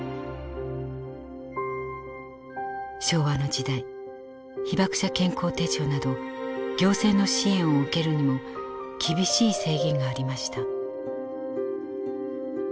昭和の時代被爆者健康手帳など行政の支援を受けるにも厳しい制限がありました。